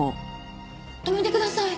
止めてください！